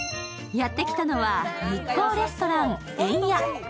やってきたのは日光レストランえんや。